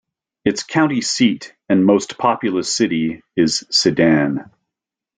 Its county seat and most populous city is Sedan.